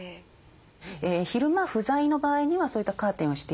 昼間不在の場合にはそういったカーテンをして頂いたり。